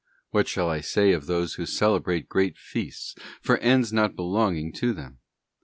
What shall I say of those who celebrate great feasts for ends not belonging to them?